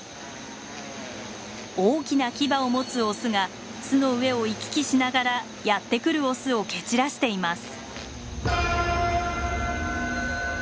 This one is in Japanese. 大きなキバを持つオスが巣の上を行き来しながらやってくるオスを蹴散らしています。